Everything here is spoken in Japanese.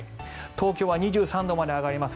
東京は２３度まで上がります。